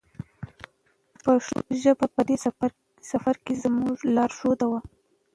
پښتو ژبه به په دې سفر کې زموږ لارښود وي.